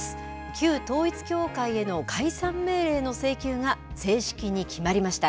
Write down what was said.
旧統一教会への解散命令の請求が正式に決まりました。